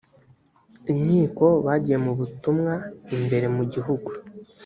inkiko bagiye mu butumwa imbere mu gihugu